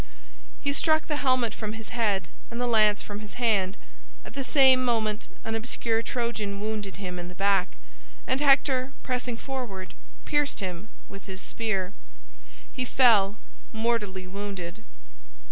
He struck the helmet from his head and the lance from his hand. At the same moment an obscure Trojan wounded him in the back, and Hector, pressing forward, pierced him with his spear. He fell mortally wounded.